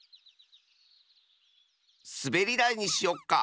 すべりだいにしよっか。